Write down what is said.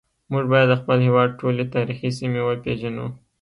موږ باید د خپل هیواد ټولې تاریخي سیمې وپیژنو